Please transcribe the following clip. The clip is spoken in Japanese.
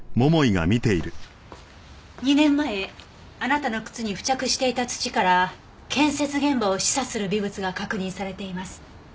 ２年前あなたの靴に付着していた土から建設現場を示唆する微物が確認されています。